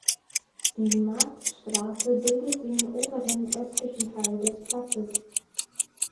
Die Marktstraße bildet den oberen östlichen Teil des Platzes.